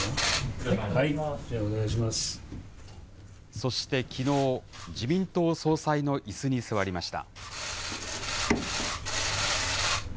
そしてきのう、自民党総裁のいすに座りました。